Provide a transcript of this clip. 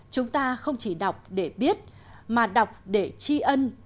chúng ta không chỉ đọc để biết mà đọc để tri ân